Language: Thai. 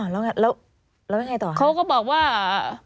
แล้วยังไงต่อเขาก็บอกว่า